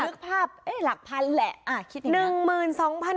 นึกภาพหลักพันแหละ